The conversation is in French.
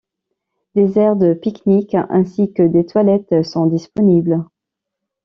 Des aires de pique-nique ainsi que des toilettes sont disponibles.